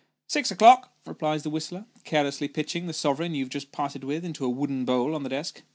" Six o'clock," replies the whistler, carelessly pitching the sovereign you have just parted with, into a wooden bowl on the desk.